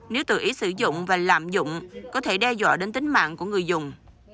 nếu tự ý sử dụng và lạm dụng có thể đe dọa đến tính mạng của người dùng